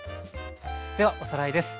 ではおさらいです。